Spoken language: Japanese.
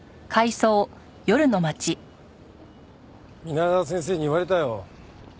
皆川先生に言われたよ。